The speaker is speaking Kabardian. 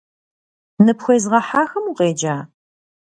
Ныпхуезгъэхьахэм укъеджа?